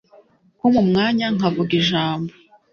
kumpa umwanya nkavuga ijambo